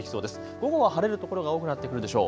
午後は晴れる所が多くなってくるでしょう。